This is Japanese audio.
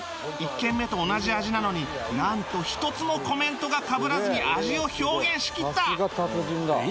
１軒目と同じ味なのになんと一つもコメントがかぶらずに味を表現しきった